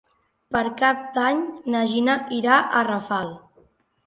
Per Cap d'Any na Gina irà a Rafal.